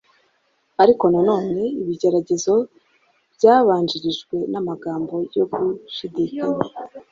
Ariko na none ibigeragezo byabanjirijwe n'amagambo yo gushidikanya,